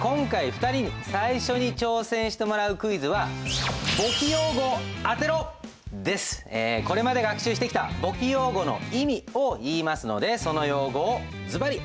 今回２人に最初に挑戦してもらうクイズはこれまで学習してきた簿記用語の意味を言いますのでその用語をずばり当てて下さい。